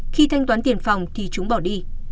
khi thanh toán tiền phòng thì chúng bỏ đi